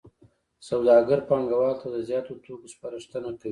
سوداګر پانګوالو ته د زیاتو توکو سپارښتنه کوي